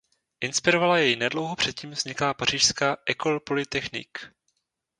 Inspirovala jej nedlouho předtím vzniklá pařížská "École polytechnique".